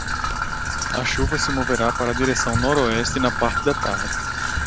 A chuva se moverá para a direção noroeste na parte da tarde.